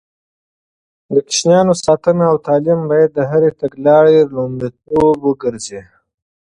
د ماشومانو ساتنه او تعليم بايد د هرې تګلارې لومړيتوب وګرځي.